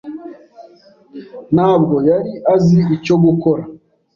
ntabwo yari azi icyo gukora.